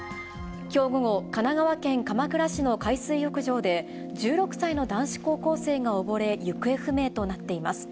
きょう午後、神奈川県鎌倉市の海水浴場で、１６歳の男子高校生が溺れ、行方不明となっています。